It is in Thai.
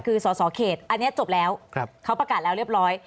คือสอสอเขตอันนี้จบแล้วเขาประกาศแล้วเรียบร้อย